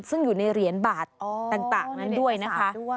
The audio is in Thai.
ซึ่งอยู่ในเหรียญบาทต่างนั้นด้วยนะคะ